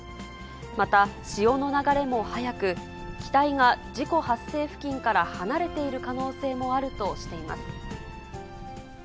また、潮の流れも速く、機体が事故発生付近から離れている可能性もあるとしています。